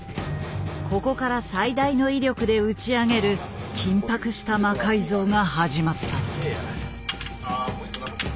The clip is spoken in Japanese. ここから最大の威力で打ち上げる緊迫した魔改造が始まった。